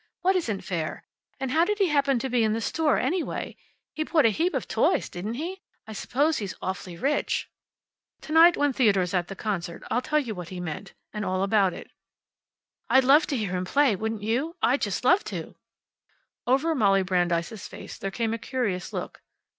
What isn't fair? And how did he happen to be in the store, anyway? He bought a heap of toys, didn't he? I suppose he's awfully rich." "To night, when Theodore's at the concert, I'll tell you what he meant, and all about it." "I'd love to hear him play, wouldn't you? I'd just love to." Over Molly Brandeis's face there came a curious look.